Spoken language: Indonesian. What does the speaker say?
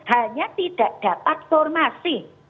hanya tidak dapat formasi